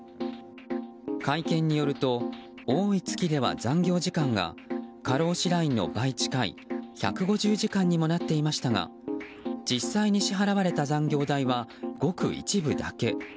会見によると多い月では残業時間が過労死ラインの倍近い１５０時間にもなっていましたが実際に支払われた残業代はごく一部だけ。